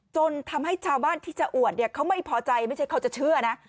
จนทำให้ชาวบ้านที่จะอวดเนี่ยเขาไม่พอใจไม่ใช่เขาจะเชื่อนะ